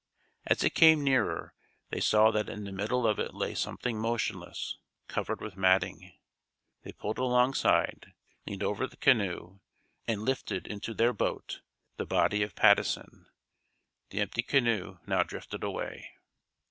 As it came nearer they saw that in the middle of it lay Something motionless, covered with matting. They pulled alongside, leaned over the canoe, and lifted into their boat the body of Patteson. The empty canoe now drifted away.